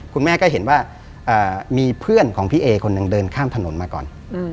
คุณแม่ก็เห็นว่ามีเพื่อนของพี่เอคนหนึ่งเดินข้ามถนนมาก่อน